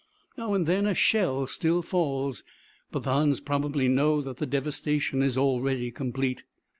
Now and then a shell still falls, but the Huns probably know that the devastation is already complete.